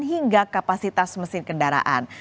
hingga kapasitas mesin kendaraan